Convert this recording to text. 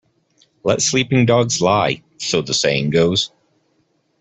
Let sleeping dogs lie, so the saying goes.